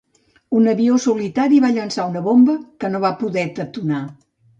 Un avió solitari va llançar una bomba, que no va poder detonar.